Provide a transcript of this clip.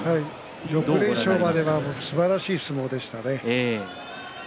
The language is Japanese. ６連勝まではすばらしい相撲でしたね。